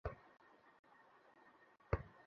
এতক্ষণ ধইরা কি বুঝাইতেছি?